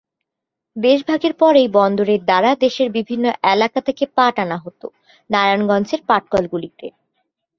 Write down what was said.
দেশ ভাগের পর এই বন্দরের দ্বারা দেশের বিভিন্ন এলাকা থেকে পাট আনা হতো নারায়ণগঞ্জ এর পাটকল গুলিতে।